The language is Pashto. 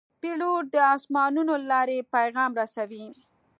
پیلوټ د آسمانونو له لارې پیغام رسوي.